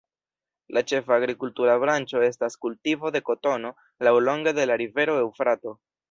La ĉefa agrikultura branĉo estas kultivo de kotono laŭlonge de la rivero Eŭfrato.